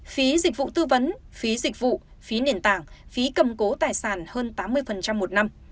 phí dịch vụ tư vấn phí dịch vụ phí nền tảng phí cầm cố tài sản hơn tám mươi một năm